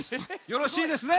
よろしいですね？